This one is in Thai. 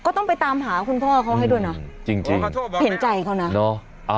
ต้องไปตามหาคุณพ่อเขาให้ด้วยนะจริงเห็นใจเขานะเนอะ